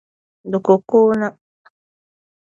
Di kuui ka o kuna.